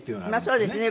そうですね。